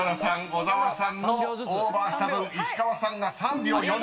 小沢さんのオーバーした分石川さんが３秒４６。